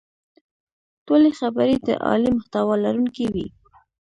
ټولې خبرې د عالي محتوا لرونکې وې.